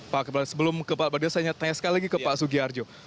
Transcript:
pak kepala dinas sebelum kepala dinas saya tanya sekali lagi ke pak sugiharjo